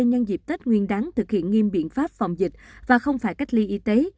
nhân dịp tết nguyên đáng thực hiện nghiêm biện pháp phòng dịch và không phải cách ly y tế